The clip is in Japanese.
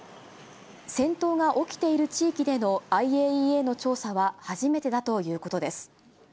戦闘が起きている地域でのＩＡＥＡの調査は初めてだということです。